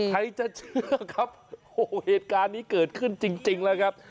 ใครจะเชื่อครับโอ้โหเหตุการณ์นี้เกิดขึ้นจริงแล้วครับ